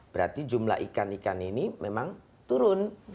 berarti jumlah ikan ikan ini memang turun